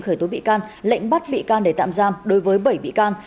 khởi tố bị can lệnh bắt bị can để tạm giam đối với bảy bị can